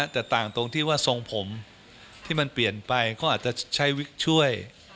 แต่ต่างตรงที่ว่าทรงผมที่มันเปลี่ยนไปเขาอาจจะใช้วิกช่วย